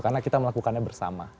karena kita melakukannya bersama